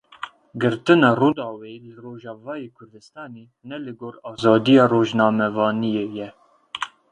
Girtina Rûdawê li Rojavayê Kurdistanê ne li gor azadiya rojnamevaniyê ye.